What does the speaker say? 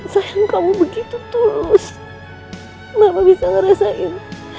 sayang kamu begitu tulus bapak bisa ngerasain